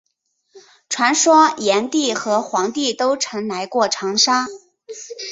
传说炎帝和黄帝都曾来过长沙。